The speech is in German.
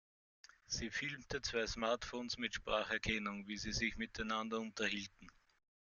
Sie filmte zwei Smartphones mit Spracherkennung, wie sie sich miteinander unterhielten.